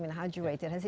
apakah itu sangat sulit